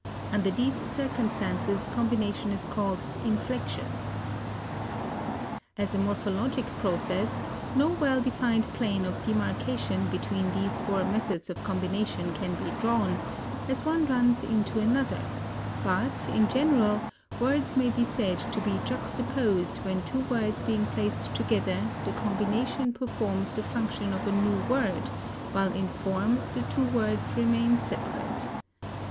Under these circumstances combination is called inflection. As a morphologic process, no well defined plane of demarkation between these four methods of combination can be drawn, as one runs into another; but, in general, words may be said to be juxtaposed when two words being placed together the combination performs the function of a new word, while in form the two words remain separate.